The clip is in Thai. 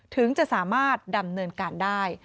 ถึงจะสามารถดำเนินการได้